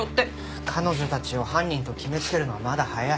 彼女たちを犯人と決めつけるのはまだ早い。